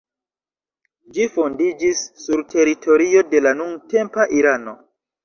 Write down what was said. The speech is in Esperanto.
Ĝi fondiĝis sur teritorio de la nuntempa Irano.